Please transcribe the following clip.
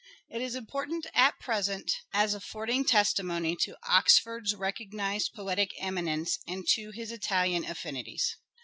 It is important at present as affording testimony to Oxford's recog nized poetic eminence and to his Italian affinities.